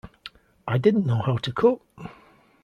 I didn't know how to cook.